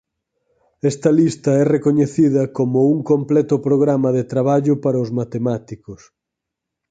Esta lista é recoñecida como un completo programa de traballo para os matemáticos.